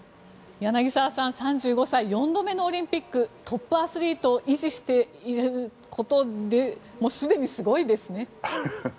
柳澤さん３５歳、４度目のオリンピックトップアスリートを維持していることでもすでにすごいですよね。